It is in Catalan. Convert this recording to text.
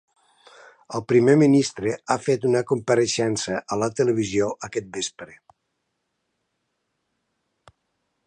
El primer ministre ha fet una compareixença a la televisió aquest vespre.